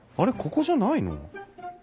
ここじゃないの？